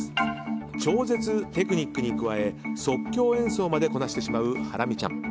超絶テクニックに加え即興演奏までこなしてしまうハラミちゃん。